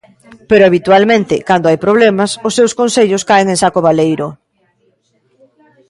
Pero habitualmente, cando hai problemas, os seus consellos caen en saco baleiro.